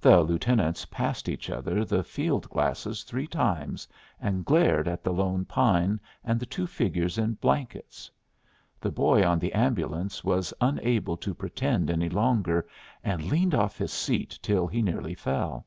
The lieutenants passed each other the fieldglasses three times, and glared at the lone pine and the two figures in blankets. The boy on the ambulance was unable to pretend any longer, and leaned off his seat till he nearly fell.